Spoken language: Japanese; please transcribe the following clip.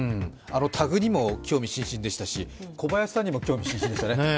あのタグにも興味津々でしたし、小林さんにも興味津々でしたね。